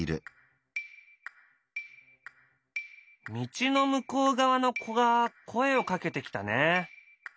道の向こう側の子が声をかけてきたね。